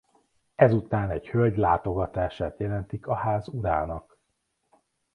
Ezután egy hölgy látogatását jelentik a ház urának.